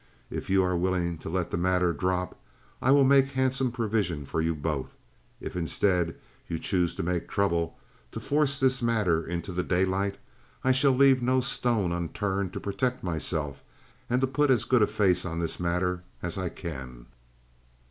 If you are willing to let the matter drop I will make handsome provision for you both; if, instead, you choose to make trouble, to force this matter into the daylight, I shall leave no stone unturned to protect myself, to put as good a face on this matter as I can."